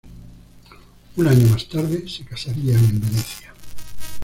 Un año más tarde se casarían en Venecia.